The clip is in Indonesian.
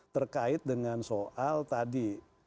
terkait dengan soal tadi